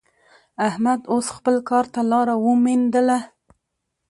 احمد اوس خپل کار ته لاره ومېندله.